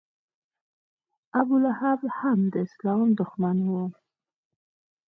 ابولهب هم د اسلام دښمن و.